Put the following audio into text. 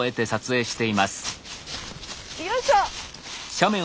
よいしょ！